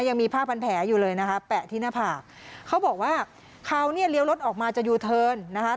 ยังมีผ้าพันแผลอยู่เลยนะคะแปะที่หน้าผากเขาบอกว่าเขาเนี่ยเลี้ยวรถออกมาจะยูเทิร์นนะคะ